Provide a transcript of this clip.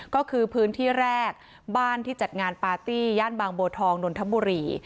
ก็คือพื้นที่แรกบ้านที่จัดงานปาร์ตี้ย่านบางบัวทองนนทบุรี